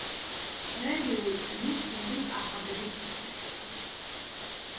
რენდი უიტმენი გუნდის ახლანდელი მწვრთნელია.